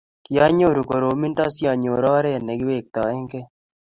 Kianyoru koromindo si anyor oret ne kiwektoegei